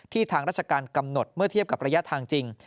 ทางราชการกำหนดเมื่อเทียบกับระยะทางจริง